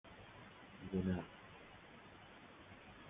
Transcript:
گنه